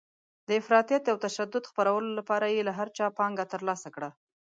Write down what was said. د افراطیت او تشدد خپرولو لپاره یې له هر چا پانګه ترلاسه کړه.